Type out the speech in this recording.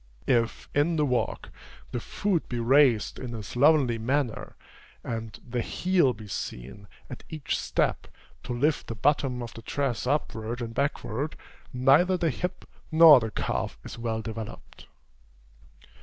If, in the walk, the foot be raised in a slovenly manner, and the heel be seen, at each step, to lift the bottom of the dress upward and backward, neither the hip nor the calf is well developed.